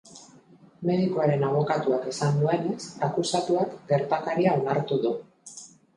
Medikuaren abokatuak esan duenez, akusatuak gertakaria onartu du.